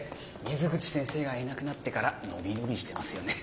水口先生がいなくなってから伸び伸びしてますよね。